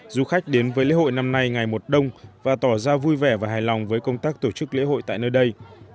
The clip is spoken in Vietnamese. du khách đến với lễ hội năm nay ngày một đông và tỏ ra vui vẻ và hài lòng với công tác tổ chức lễ hội tại nơi đây